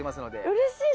うれしい。